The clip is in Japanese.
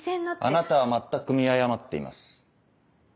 あなたは全く見誤っています。